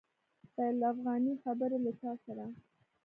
بین الافغاني خبري له چا سره؟